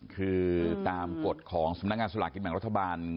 คือตามกฎของสำนักงานสลากกินแบ่งรัฐบาล